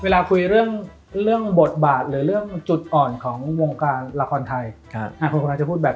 เวลาคุยเรื่องเรื่องบทบาทหรือเรื่องจุดอ่อนของวงการละครไทยคนกำลังจะพูดแบบ